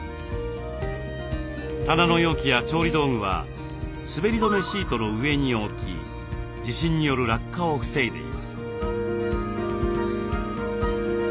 棚の容器や調理道具は滑り止めシートの上に置き地震による落下を防いでいます。